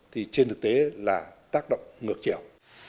thì trên thực tế là tác động ngược trèo